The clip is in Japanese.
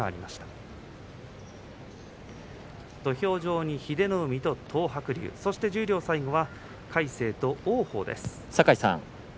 土俵上に英乃海と東白龍そして十両最後は魁聖と王鵬です。